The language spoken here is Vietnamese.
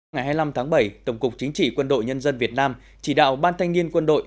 ngày hai mươi năm tháng bảy tổng cục chính trị quân đội nhân dân việt nam chỉ đạo ban thanh niên quân đội